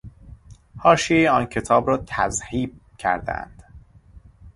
حاشیهٔ آن کتاب را تذهیب کرده اند.